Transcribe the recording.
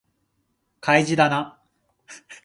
開示だな